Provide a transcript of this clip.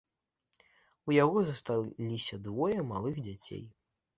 У яго засталіся двое малых дзяцей.